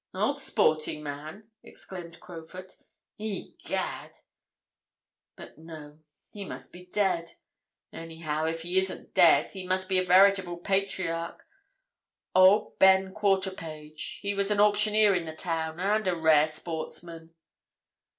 "Old sporting man!" exclaimed Crowfoot. "Egad!—but no, he must be dead—anyhow, if he isn't dead, he must be a veritable patriarch. Old Ben Quarterpage, he was an auctioneer in the town, and a rare sportsman."